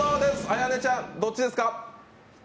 綾音ちゃん、どっちですか？